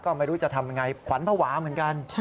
ก็ไม่รู้จะทำยังไงขวัญภาวะเหมือนกัน